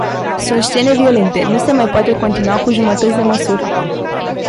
Sunt scene violente, nu se mai poate continua cu jumătăți de măsură.